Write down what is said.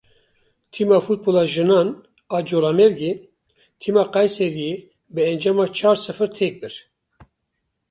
Tîma Futbola Jinan a Colemêrgê, Tîma Qeyseriyê bi encama çar sifir têk bir.